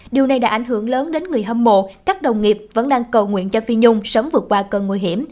điều này đã ảnh hưởng lớn đến người hâm mộ các đồng nghiệp vẫn đang cầu nguyện cho phi nhung sớm vượt qua cơn nguy hiểm